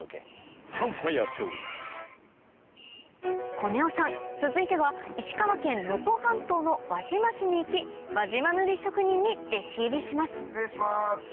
コネオさん続いては石川県能登半島の輪島市に行き輪島塗職人に弟子入りします失礼します。